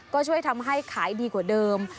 ก็ช่วยทำให้ขายดีกว่าเดิม